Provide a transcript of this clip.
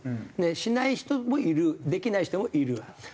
しない人もいるできない人もいる。